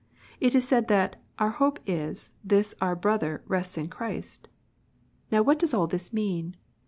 It is said that "our hope is, this our brother rests in Christ." Now what does all this mean